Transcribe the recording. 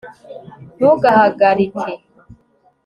ntugahagarike